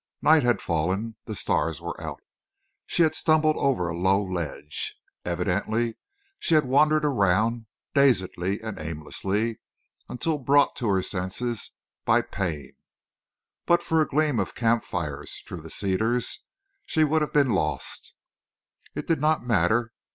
Night had fallen. The stars were out. She had stumbled over a low ledge. Evidently she had wandered around, dazedly and aimlessly, until brought to her senses by pain. But for a gleam of campfires through the cedars she would have been lost. It did not matter.